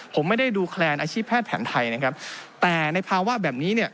ผมไม่ได้ดูแคลนอาชีพแพทย์แผนไทยนะครับแต่ในภาวะแบบนี้เนี่ย